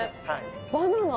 バナナ？